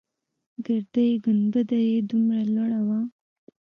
ګردۍ گنبده يې دومره لوړه وه.